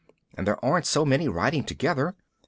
And there aren't so many riding together.